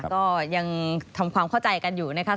ก็ยังทำความเข้าใจกันอยู่นะคะ